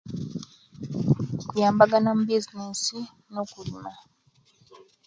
Kuyambagana mubizinesi nokulima